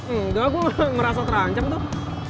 enggak gua merasa terangcap tuh